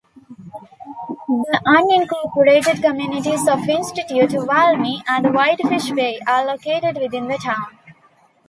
The unincorporated communities of Institute, Valmy, and Whitefish Bay are located within the town.